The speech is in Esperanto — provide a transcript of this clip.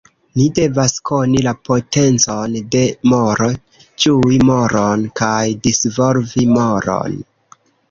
Ni devas koni la potencon de moro, ĝui moron kaj disvolvi moron.